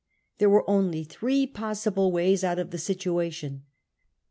There were only three possible ways out of the situation.